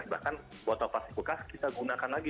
bahkan botol plastik bekas kita gunakan lagi